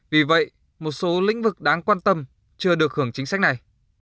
vì vậy một số lĩnh vực đáng quan tâm chưa được hưởng chính sách này